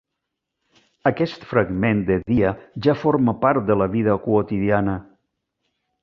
Aquest fragment de dia ja forma part de la vida quotidiana.